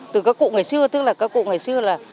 từ các cụ ngày xưa tức là các cụ ngày xưa là